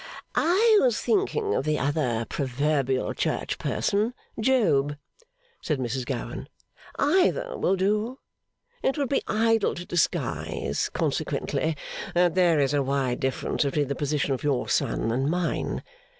'I was thinking of the other proverbial church person Job,' said Mrs Gowan. 'Either will do. It would be idle to disguise, consequently, that there is a wide difference between the position of your son and mine.